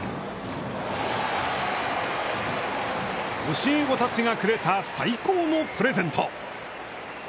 教え子たちがくれた、最高のプレゼント。